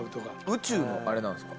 宇宙のあれなんですか？